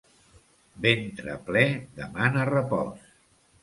Ventre ple demana repòs.